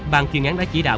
bàn chuyên án đã chỉ đạo